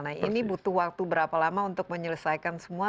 nah ini butuh waktu berapa lama untuk menyelesaikan semua